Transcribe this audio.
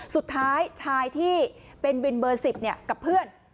สุดท้ายชายที่เป็นวินเบอร์๑๐กับเพื่อน